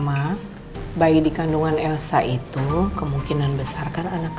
maksud mama bayi dikandungan elsa itu kemungkinan besarkan anak kamu